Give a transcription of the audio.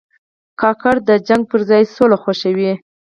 کاکړ د جګړې پر ځای سوله خوښوي.